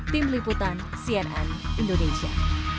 tim liputan cnn indonesia